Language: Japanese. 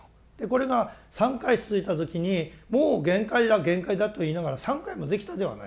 これが３回続いた時にもう限界だ限界だと言いながら３回もできたではないか。